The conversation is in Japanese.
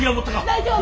大丈夫！